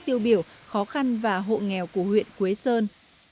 tiêu biểu khó khăn và hộ nghèo của huyện quế sơn